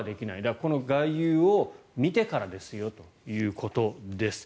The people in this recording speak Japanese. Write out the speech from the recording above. この外遊を見てからですよということです。